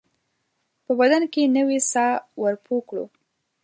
په بدن کې نوې ساه ورپو کړو